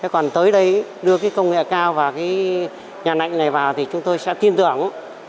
còn tới đây đưa công nghệ cao và nhà nạnh này vào thì chúng tôi sẽ tin tưởng